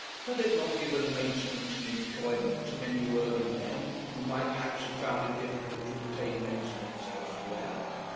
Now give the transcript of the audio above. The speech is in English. had it not given maintenance and employment to many worthy men who might perhaps have found it difficult to obtain maintenance elsewhere?